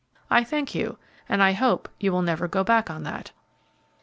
"I thank you, and I hope you will never go back on that."